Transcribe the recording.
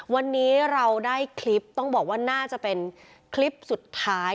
วันนี้เราได้คลิปต้องบอกว่าน่าจะเป็นคลิปสุดท้าย